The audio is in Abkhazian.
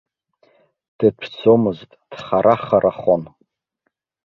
Дыҭәӡомызт, дхара-харахон.